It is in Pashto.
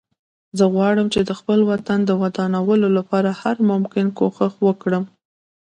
زه غواړم چې د خپل وطن د ودانولو لپاره هر ممکن کوښښ وکړم